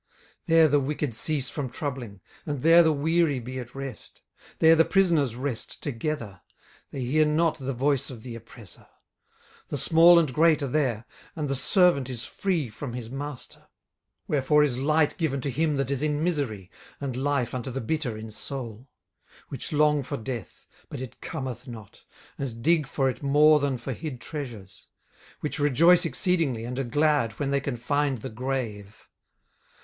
18:003:017 There the wicked cease from troubling; and there the weary be at rest. 18:003:018 There the prisoners rest together; they hear not the voice of the oppressor. 18:003:019 The small and great are there; and the servant is free from his master. 18:003:020 Wherefore is light given to him that is in misery, and life unto the bitter in soul; 18:003:021 Which long for death, but it cometh not; and dig for it more than for hid treasures; 18:003:022 Which rejoice exceedingly, and are glad, when they can find the grave?